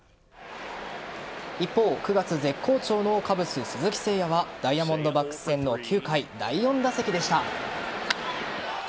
一方、９月絶好調のカブス・鈴木誠也はダイヤモンドバックス戦の９回第４打席でした。